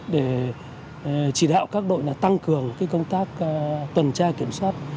để chỉ đạo các đội là tăng cường cái công tác tuần tra kiểm soát